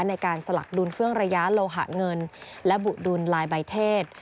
ในการสลักดุลเฟื่องระยะโลหะเงินและบุดุลลายใบเทศ